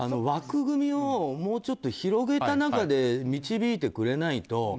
枠組みをもうちょっと広げた中で導いてくれないと。